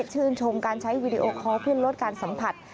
ชื่นชมการใช้วีดีโอคอลขึ้นลดการสัมผัส